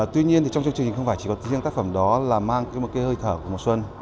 tuy nhiên trong chương trình không chỉ có tiếng tác phẩm đó mang hơi thở của mùa xuân